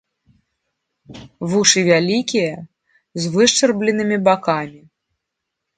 Вушы вялікія, з вышчарбленымі бакамі.